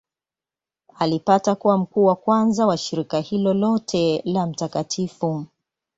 Alipata kuwa mkuu wa kwanza wa shirika hilo lote la Mt.